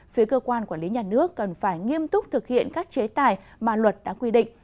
phía cơ quan quản lý nhà nước cần phải nghiêm túc thực hiện các chế tài mà luật đã quy định